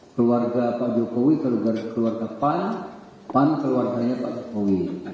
keluarga pak jokowi keluarga pan keluarganya pak jokowi